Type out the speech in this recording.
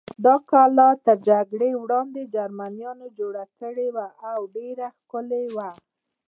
دا کلا تر جګړې وړاندې جرمنیان جوړه کړې وه او ډېره ښکلې وه.